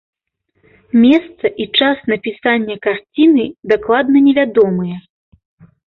Месца і час напісання карціны дакладна невядомыя.